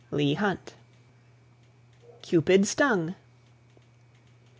LEIGH HUNT. CUPID STUNG.